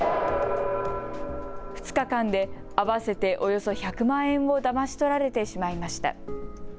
２日間で合わせておよそ１００万円をだまし取られてしまいました。